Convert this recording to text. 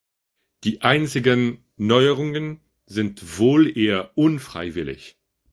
Die einzigen Neuerungen sind wohl eher unfreiwillig.